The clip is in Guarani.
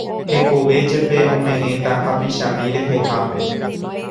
Hekove jepe ome'ẽta hapichami rehehápe